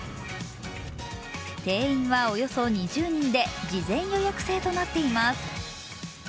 定員はおよそ２０人で、事前予約制となっています。